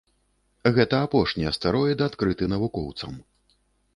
Гэта апошні астэроід, адкрыты навукоўцам.